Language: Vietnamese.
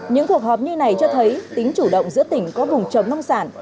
những cuộc họp như này cho thấy tính chủ động giữa tỉnh có vùng trồng nông sản